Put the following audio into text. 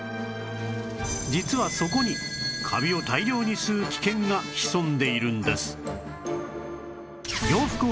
実はそこにカビを大量に吸う危険が潜んでいるんです